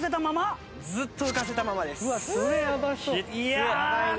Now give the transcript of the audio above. やばいな。